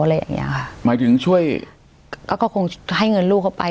อะไรอย่างเงี้ยค่ะหมายถึงช่วยก็ก็คงให้เงินลูกเขาไป